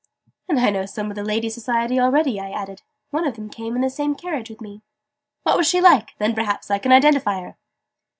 "And I know some of the lady society already," I added. "One of them came in the same carriage with me." "What was she like? Then perhaps I can identify her."